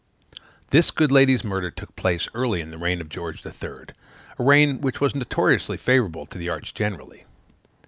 This good lady's murder took place early in the reign of George III., a reign which was notoriously favorable to the arts generally.